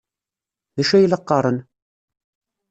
D acu ay la qqaren?